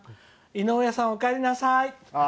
「井上さん、おかえりなさい。